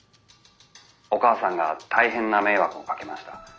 お母さんが大変な迷惑をかけました。